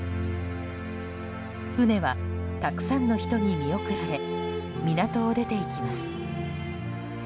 船はたくさんの人に見送られ港を出て行きます。